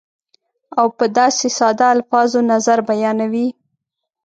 او په داسې ساده الفاظو نظر بیانوي